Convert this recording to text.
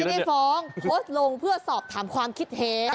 ไม่ได้ฟ้องโพสต์ลงเพื่อสอบถามความคิดเห็น